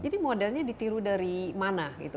jadi modalnya ditiru dari mana gitu